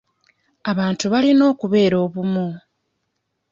Abantu balina okubeera obumu.